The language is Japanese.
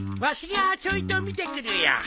わしがちょいと見てくるよ。